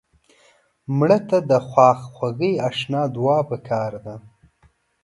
مړه ته د خواخوږۍ اشنا دعا پکار ده